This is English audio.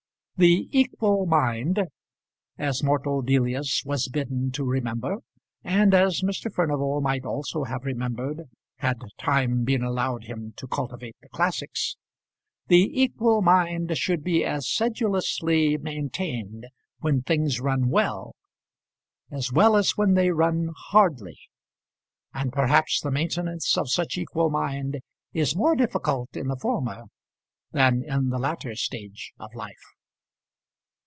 The equal mind, as mortal Delius was bidden to remember, and as Mr. Furnival might also have remembered had time been allowed him to cultivate the classics, the equal mind should be as sedulously maintained when things run well, as well as when they run hardly; and perhaps the maintenance of such equal mind is more difficult in the former than in the latter stage of life.